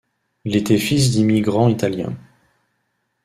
Il était fils d'immigrant italien.